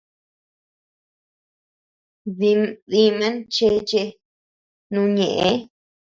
Diman cheche nu ñeʼe.